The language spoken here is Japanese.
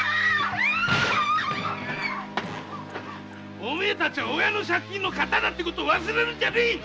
お前たちは親の借金のカタだってことを忘れるんじゃねえ！